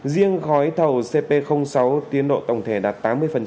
riêng gói thầu cp sáu tiến độ tổng thể đạt tám mươi